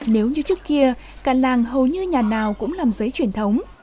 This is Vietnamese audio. nếu như trước kia cả làng hầu như nhà nào cũng làm giấy truyền thống